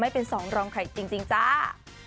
เป็นสองรองใครจริงจ้า